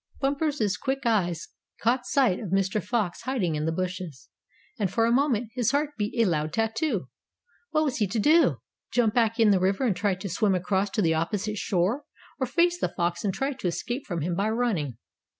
Bumper's quick eyes caught sight of Mr. Fox hiding in the bushes, and, for a moment, his heart beat a loud tattoo. What was he to do? Jump back in the river and try to swim across to the opposite shore, or face the fox and try to escape from him by running?